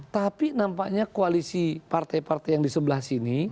tapi nampaknya koalisi partai partai yang di sebelah sini